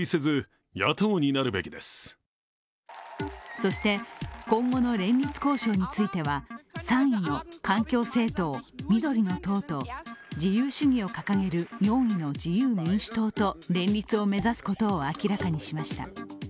そして、今後の連立交渉については３位の環境政党、緑の党と自由主義を掲げる４位の自由民主党と連立を目指すことを明らかにしました。